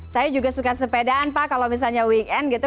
saya juga suka sepedaan pak kalau misalnya weekend gitu